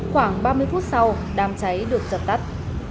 khoảng ba mươi phút sau đám cháy được dập tắt